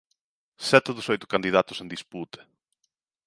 Sete dos oito candidatos en disputa.